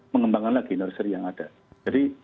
mengembangkan lagi nursery yang ada jadi